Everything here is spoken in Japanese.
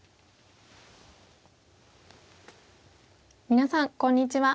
皆さんこんにちは。